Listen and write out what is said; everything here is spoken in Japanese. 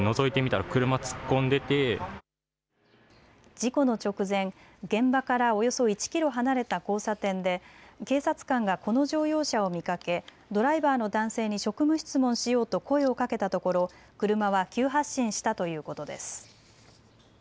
事故の直前、現場からおよそ１キロ離れた交差点で警察官がこの乗用車を見かけドライバーの男性に職務質問しようと声をかけたところ車は急発進したということです。